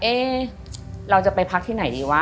เราจะไปพักที่ไหนดีวะ